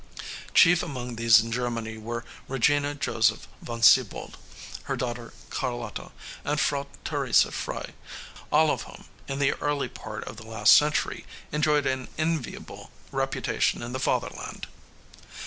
Chief among these in Germany were Regina Joseph von Siebold, her daughter Carlotta, and Frau Teresa Frei, all of whom, in the early part of the last century, enjoyed an enviable reputation in the Fatherland.